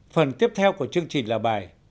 phần tiếp theo của chương trình là bài